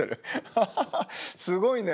ハハハすごいね。